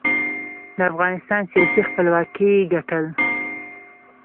د افغانستان سیاسي خپلواکۍ ګټل.